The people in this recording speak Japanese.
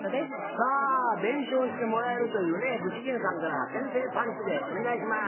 さあ弁償してもらえるというね具志堅さんから先制パンチでお願いします。